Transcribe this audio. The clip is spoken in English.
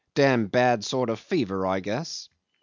Dam' bad sort of fever, I guess.